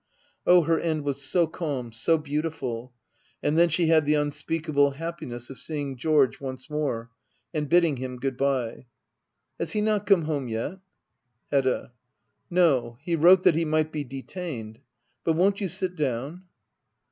Oh, her end was so calm, so beautiful. And then she had the unspeakable happiness of seeing George once more — and bidding him good bye. — Has he not come home yet } Hedda. No. He wrote that he might be detained. But won't you sit down